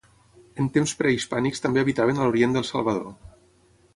En temps prehispànics també habitaven a l'orient del Salvador.